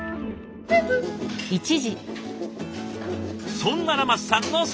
そんなラマスさんのサラメシ。